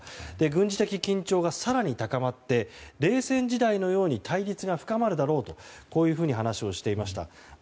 軍事的緊張が更に高まって冷戦時代のように対立が深まるだろうと話をしていました。